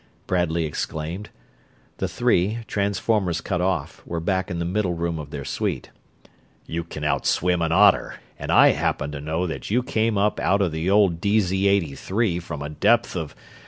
Bradley exclaimed. The three, transformers cut off, were back in the middle room of their suite. "You can outswim an otter, and I happen to know that you came up out of the old DZ83 from a depth of...."